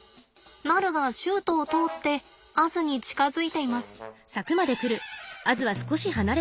ナルがシュートを通ってアズに近づいています。